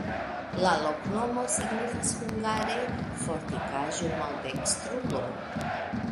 La loknomo signifas hungare: fortikaĵo-maldekstrulo.